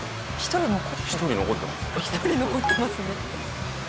１人残ってますね。